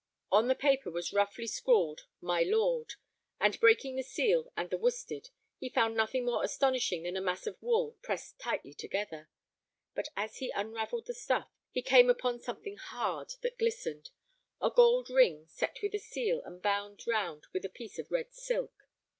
On the paper was roughly scrawled "My lord," and, breaking the seal and the worsted, he found nothing more astonishing than a mass of wool pressed tightly together. But as he unravelled the stuff he came upon something hard that glistened—a gold ring set with a seal and bound round with a piece of red silk.